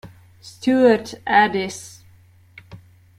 Stuart Addis